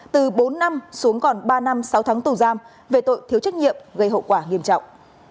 từ bốn năm xuống còn ba năm sáu tháng tù giam về tội thiếu trách nhiệm gây hậu quả nghiêm trọng